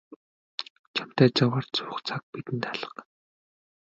Чамтай заваарч суух цаг бидэнд алга.